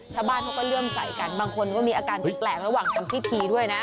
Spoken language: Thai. ชาวบ้านเขาก็เริ่มใส่กันบางคนก็มีอาการแปลกระหว่างทำพิธีด้วยนะ